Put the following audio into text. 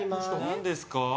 何ですか？